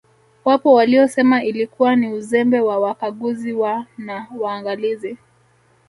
Wapo waliosema ilikuwa ni Uzembe wa Wakaguzi wa na Waangalizi